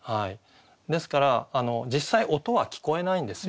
ですから実際音は聞こえないんですよ。